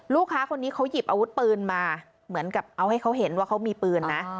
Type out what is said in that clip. ลูกค้าคนนี้เขาหยิบอาวุธปืนมาเหมือนกับเอาให้เขาเห็นว่าเขามีปืนนะ